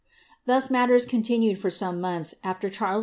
Thus matters con ooed for some months after Charles II.